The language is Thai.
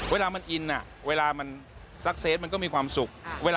เวลามันอินเวลามันซักเซตมันก็มีความสุข